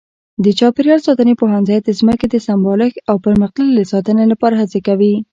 د چاپېریال ساتنې پوهنځی د ځمکې د سمبالښت او پرمختللې ساتنې لپاره هڅې کوي.